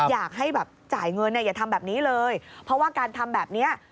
อยากให้แบบจ่ายเงินอย่าทำแบบนี้เลยเพราะว่าการทำแบบนี้